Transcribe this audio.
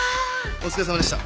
お疲れさまでした。